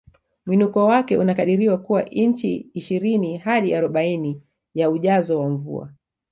Mwinuko wake unakadiriwa kuwa inchi ishirini hadi arobaini ya ujazo wa mvua